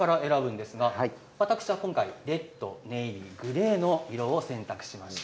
私は今回ネイビー、グレーの色を選択しました。